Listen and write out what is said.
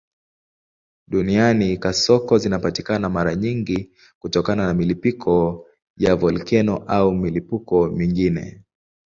Duniani kasoko zinapatikana mara nyingi kutokana na milipuko ya volkeno au milipuko mingine.